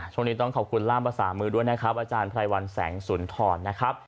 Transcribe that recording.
ช่วงนี้ต้องขอบคุณล่ามภาษามือด้วยนะครับอาจารย์ไพรวัลแสงสุนทรนะครับ